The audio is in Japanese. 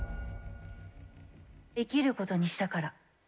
生きることにしたから。